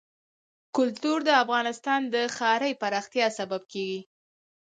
کلتور د افغانستان د ښاري پراختیا سبب کېږي.